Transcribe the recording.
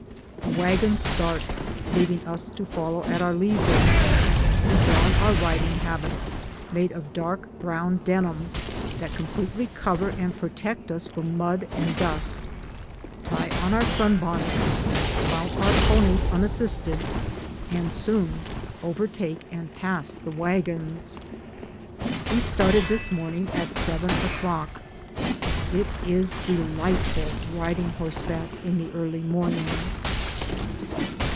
The wagons start, leaving us to follow at our leisure. We don our riding habits, made of dark brown denim, that completely cover, and protect us from mud and dust, tie on our sun bonnets, mount our ponies unassisted, and soon overtake and pass the wagons. We started this morning at seven o'clock. It is delightful riding horseback in the early morning.